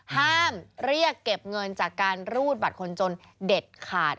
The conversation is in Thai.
ห้ามเรียกเก็บเงินจากการรูดบัตรคนจนเด็ดขาด